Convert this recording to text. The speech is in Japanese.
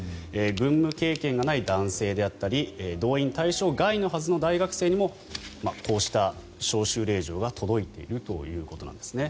軍務経験がない男性であったり動員対象外のはずの大学生にもこうした招集令状が届いているということなんですね。